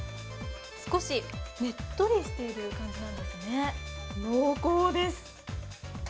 少しねっとりしている感じなんですね、濃厚です。